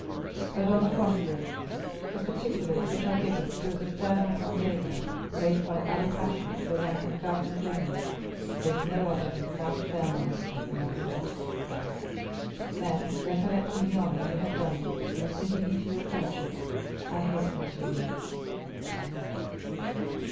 But, on the contrary, the particulars which are given prove that Fernand Mondego, raised by Ali Pasha to the rank of governor general, is no other than Count Fernand of Morcerf; then, recollecting the honor you had done me, in admitting me to your friendship, I hastened to you."